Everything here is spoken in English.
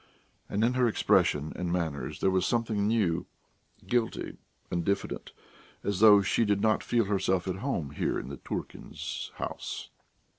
And in her expression and manners there was something new guilty and diffident, as though she did not feel herself at home here in the Turkins' house.